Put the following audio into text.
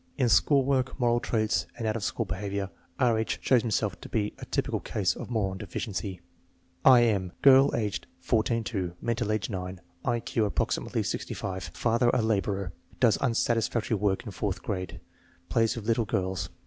In school work, moral traits, and out of school behavior R. H. shows himself to be a typical case of moron deficiency. /. M. Girl, age H~$; mental age 9; I Q approximately Gfi. Father a laborer. Does unsatisfactory work in fourth grade. Plays with little girls.